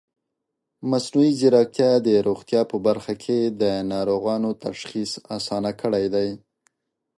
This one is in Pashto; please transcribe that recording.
مصنوعي ځیرکتیا د روغتیا په برخه کې د ناروغانو تشخیص اسانه کړی دی.